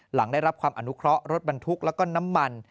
หลังได้รับความอนุเคราะห์รถบรรทุกแล้วก็น้ำมัน